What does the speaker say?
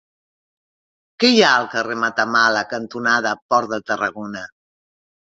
Què hi ha al carrer Matamala cantonada Port de Tarragona?